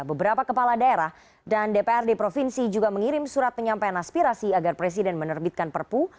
beberapa kepala daerah dan dprd provinsi juga mengirim surat penyampaian aspirasi agar presiden menerbitkan perpu